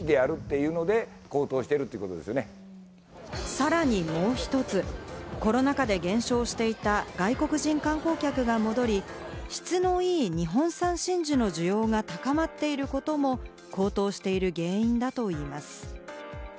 さらにもう一つ、コロナ禍で減少していた外国人観光客が戻り、質のいい日本産真珠の需要が高まっていることも、高騰している原因だといいます。